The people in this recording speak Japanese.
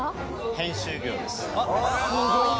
編集業です。